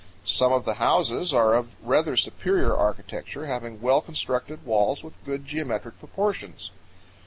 Some of the houses are of rather superior architecture, having well constructed walls with good geometric proportions.